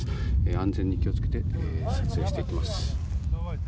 安全に気をつけて撮影していきます。